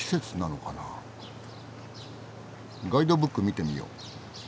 ガイドブック見てみよう。